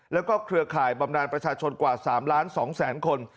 แล้วก็เครือข่ายบำนานประชาชนกว่า๓ล้าน๒แสนคน